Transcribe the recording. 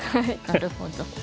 なるほど。